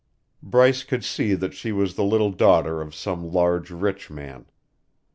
Bryce could see that she was the little daughter of some large rich man.